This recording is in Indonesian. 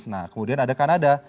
nah kemudian ada kanada